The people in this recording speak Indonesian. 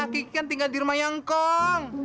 kiki kan tinggal di rumah engkong